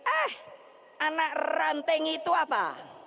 ah anak ranting itu apa